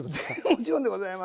もちろんでございます。